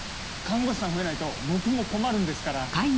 看護師さん増えないと僕も困るんですから。